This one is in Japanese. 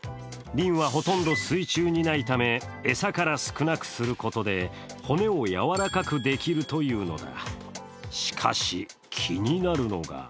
リンはほとんど水中にないため餌から少なくすることで、骨を柔らかくできるというのだ。